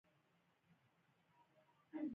زه د خپل ژوند هره لحظه د شکر په احساس تېرووم.